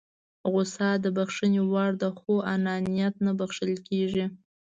غوسه د بښنې وړ ده خو انانيت نه بښل کېږي.